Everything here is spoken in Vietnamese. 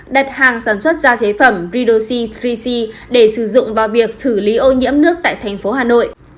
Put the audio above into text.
đặt hàng sản xuất ra chế phẩm ridoc ba c để sử dụng vào việc xử lý ô nhiễm nước tại tp hà nội